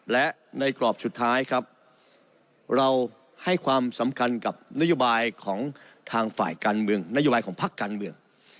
และในกรอบสุดท้ายครับเราให้ความสำคัญกับนโยบายของทางฝ่ายการเมืองนโยบายของพักการเมือง